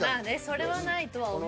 それはないとは思う。